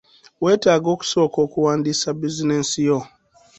Weetaaga okusooka okuwandiisa bizinesi yo.